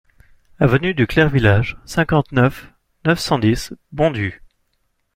Avenue du Clair Village, cinquante-neuf, neuf cent dix Bondues